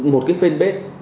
một cái fanpage